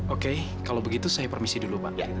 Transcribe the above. oke kalau begitu saya permisi dulu pak